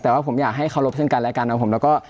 แต่ว่าผมอยากให้เคารพซึ่งกันและกันนะครับผมแล้วก็